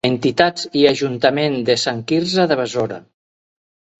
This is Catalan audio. Entitats i Ajuntament de Sant Quirze de Besora.